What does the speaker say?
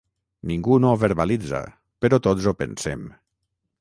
Ningú no ho verbalitza, però tots ho pensem.